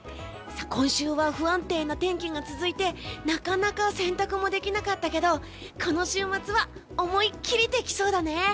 今週は不安定な天気が続いてなかなか洗濯もできなかったけどこの週末は思いっきりできそうだね！